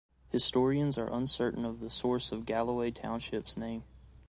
Historians are uncertain of the source of Galloway Township's name.